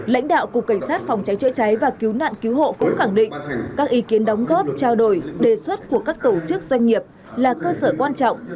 lãnh đạo cục cảnh sát phòng cháy chữa cháy và cứu nạn cứu hộ cũng khẳng định các ý kiến đóng góp trao đổi đề xuất của các tổ chức doanh nghiệp là cơ sở quan trọng